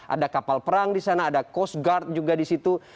ada kapal perang di sana ada coast guard juga di situ